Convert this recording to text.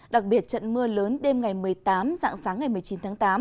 đặc biệt trận mưa lớn đêm ngày một mươi tám dạng sáng ngày một mươi chín tháng tám